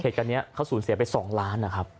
เหตุการณ์นี้เขาสูญเสียไป๒ล้านนะครับ